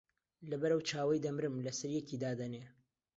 لەبەر ئەو چاوەی دەمرم لەسەر یەکی دادەنێ